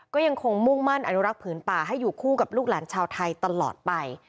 ก็ยังคงมุ่งมั่นอนุรักษ์ผืนป่าให้อยู่คู่กับลูกหลานชาวไทยตลอดไป